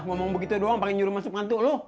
ngomong begitu doang pake nyuruh masuk mantu lu